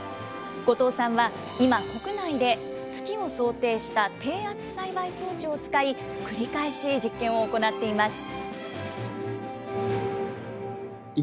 後藤さんは今、国内で月を想定した、低圧栽培装置を使い、繰り返し実験を行っています。